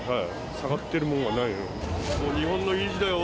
下がってるものはない。